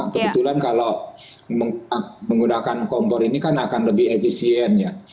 kebetulan kalau menggunakan kompor ini kan akan lebih efisien ya